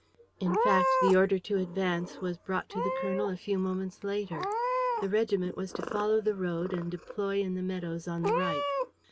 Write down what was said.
In fact, the order to advance was brought to the colonel a few moments later. The regiment was to follow the road and deploy in the meadows on the right.